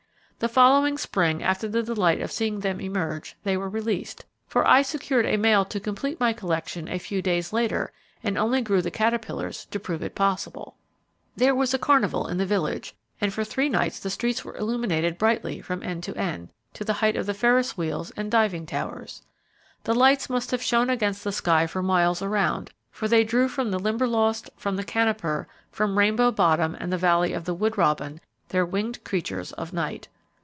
The following spring after the delight of seeing them emerge, they were released, for I secured a male to complete my collection a few days later, and only grew the caterpillars to prove it possible. There was a carnival in the village, and, for three nights the streets were illuminated brightly from end to end, to the height of Ferris wheels and diving towers. The lights must have shone against the sky for miles around, for they drew from the Limberlost, from the Canoper, from Rainbow Bottom, and the Valley of the Wood Robin, their winged creatures of night.